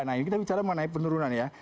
nah ini kita bicara mengenai penurunan ya